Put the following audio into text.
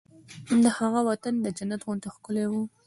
د هغه وطن د جنت غوندې ښکلی و